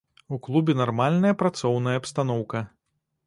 У клубе нармальная працоўная абстаноўка.